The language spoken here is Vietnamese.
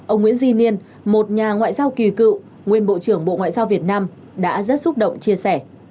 ông nguyễn di niên một nhà ngoại giao kỳ cựu nguyên bộ trưởng bộ ngoại giao việt nam đã rất xúc động chia sẻ